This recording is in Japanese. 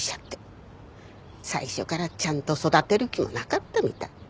最初からちゃんと育てる気もなかったみたい。